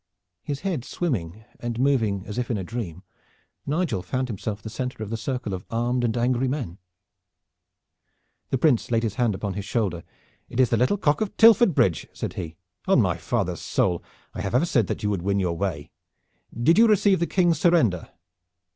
His head swimming, and moving as if in a dream, Nigel found himself the center of the circle of armed and angry men. The Prince laid his hand upon his shoulder. "It is the little cock of Tilford Bridge," said he. "On my father's soul, I have ever said that you would win your way. Did you receive the King's surrender?"